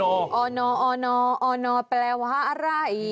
ออนอออนอออนอแปลว่าอะไร